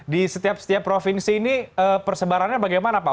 di setiap setiap provinsi ini persebarannya bagaimana pak